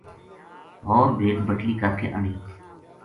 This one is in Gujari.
ہو ر بھیڈ بٹلی کر کہ آنی